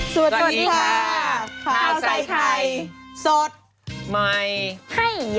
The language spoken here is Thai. สวัสดีค่ะข้าวใส่ไข่สดใหม่ให้เยอะ